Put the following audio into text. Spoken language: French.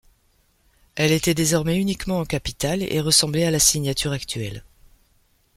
Elle était désormais uniquement en capitales et ressemblait à la signature actuelle.